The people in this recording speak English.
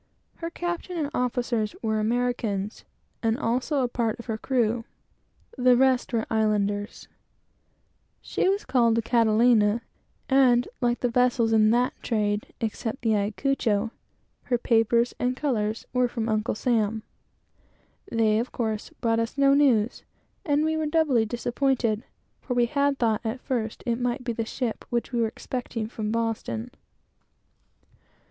Her captain and officers were Americans, and also a part of her crew; the rest were Islanders. She was called the Catalina, and, like all the others vessels in that trade, except the Ayacucho, her papers and colors were from Uncle Sam. They, of course, brought us no news, and we were doubly disappointed, for we had thought, at first, it might be the ship which we were expecting from Boston.